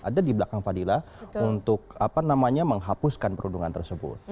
ada di belakang fadila untuk menghapuskan perundungan tersebut